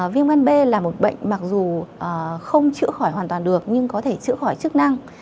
viêm gan b là một bệnh mặc dù không chữa khỏi hoàn toàn được nhưng có thể chữa khỏi chức năng